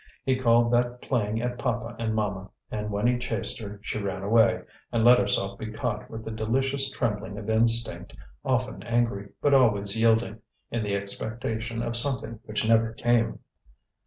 He called that playing at papa and mama; and when he chased her she ran away and let herself be caught with the delicious trembling of instinct, often angry, but always yielding, in the expectation of something which never came.